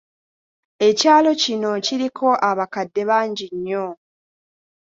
Ekyalo kino kiriko abakadde bangi nnyo.